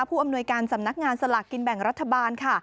อำนวยการสำนักงานสลากกินแบ่งรัฐบาลค่ะ